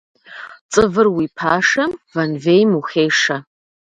Цӏывыр уи пашэм вэнвейм ухешэ.